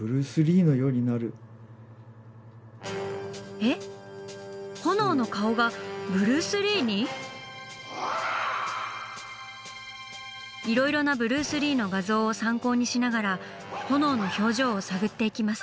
えっホノオの顔がブルース・リーに⁉いろいろなブルース・リーの画像を参考にしながらホノオの表情を探っていきます。